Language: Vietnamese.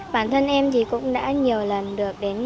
bản thân em thì cũng đã nhiều lần được đến